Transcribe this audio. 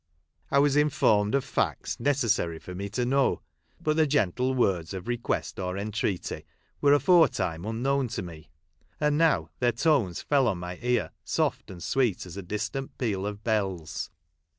I was informed of facts necessary for me to know. But the gentle words of request or entreaty were afore time unknown to me, and now their tones fell on my ear soft and sweet as a distant peal of bells.